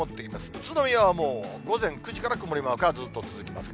宇都宮はもう、午前９時から曇りマークがずっと続きます。